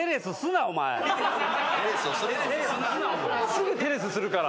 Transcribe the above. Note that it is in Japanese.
・すぐテレスするから。